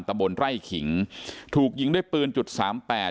ตะบนไร่ขิงถูกยิงด้วยปืนจุดสามแปด